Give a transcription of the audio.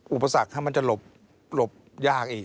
อุปสรรคมันจะหลบยากอีก